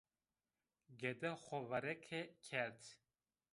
Gede xo verike kerd